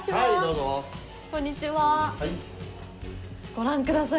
ご覧ください。